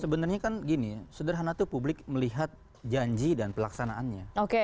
sebenarnya kan gini ya sederhana itu publik melihat janji dan pelaksanaannya